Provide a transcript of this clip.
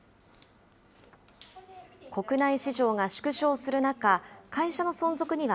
国内市場が縮小する中、会社の存続には、